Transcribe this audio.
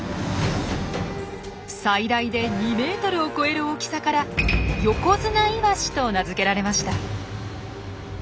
最大で２ｍを超える大きさからヨコヅナイワシと名付けられました。